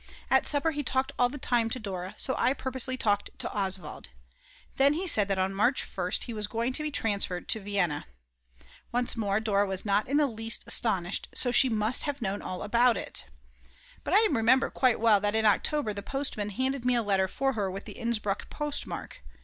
At supper he talked all the time to Dora, so I purposely talked to Oswald. Then he said that on March 1st he was going to be transferred to Vienna. Once more Dora was not in the least astonished, so she must have known all about it! But now I remember quite well that in October the postman handed me a letter for her with the Innsbruck postmark.